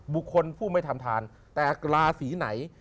บุคคลผู้ไม่ทำทานแต่ราศีไหน